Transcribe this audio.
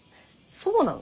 そうなん？